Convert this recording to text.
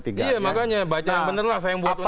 iya makanya baca bener lah